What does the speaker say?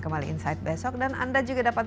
kembali insight besok dan anda juga dapat